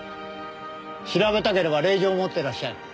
調べたければ令状を持ってらっしゃい。